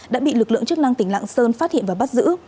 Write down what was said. đã bị lực lượng chức năng tỉnh lạng sơn phát hiện và bắt giữ